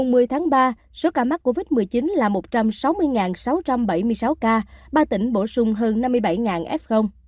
ngày một mươi tháng ba số ca mắc covid một mươi chín là một trăm sáu mươi sáu trăm bảy mươi sáu ca ba tỉnh bổ sung hơn năm mươi bảy f